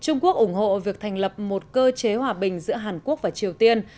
trung quốc ủng hộ việc thành lập một cơ chế hòa bình giữa hàn quốc và triều tiên